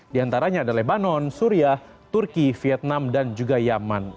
di antaranya ada lebanon syria turki vietnam dan juga yemen